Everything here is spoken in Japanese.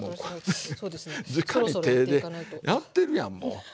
じかに手でやってるやんもう。